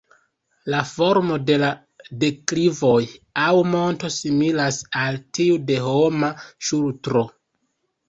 La formo de la deklivoj aŭ monto similas al tiu de homa ŝultro.